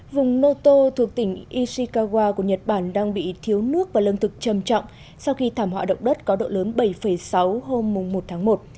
vùng noto thuộc tỉnh ishikawa của nhật bản đang bị thiếu nước và lương thực trầm trọng sau khi thảm họa động đất có độ lớn bảy sáu hôm một tháng một